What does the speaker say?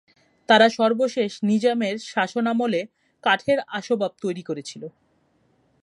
তারা সর্বশেষ নিজামের শাসনামলে কাঠের আসবাব তৈরি করেছিল।